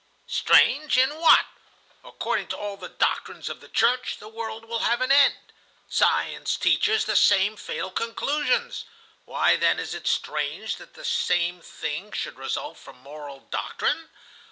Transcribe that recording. "Strange in what? According to all the doctrines of the Church, the world will have an end. Science teaches the same fatal conclusions. Why, then, is it strange that the same thing should result from moral Doctrine?